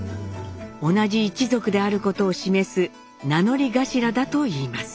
同じ一族であることを示す名乗り頭だといいます。